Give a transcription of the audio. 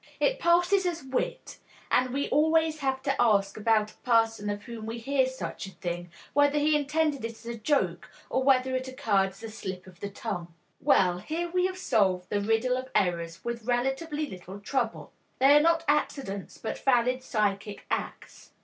It passes as wit, and we always have to ask about a person of whom we hear such a thing, whether he intended it as a joke or whether it occurred as a slip of the tongue. Well, here we have solved the riddle of errors with relatively little trouble! They are not accidents, but valid psychic acts.